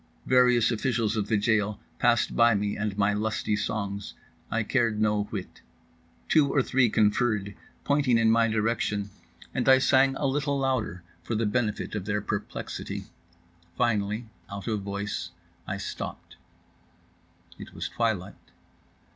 Various officials of the jail passed by me and my lusty songs; I cared no whit. Two or three conferred, pointing in my direction, and I sang a little louder for the benefit of their perplexity. Finally out of voice I stopped. It was twilight.